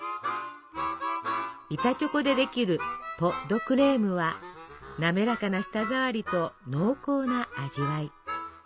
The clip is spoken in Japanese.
板チョコでできるポ・ド・クレームは滑らかな舌ざわりと濃厚な味わい。